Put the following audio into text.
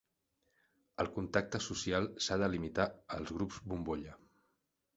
El contacte social s'ha de limitar als grups bombolla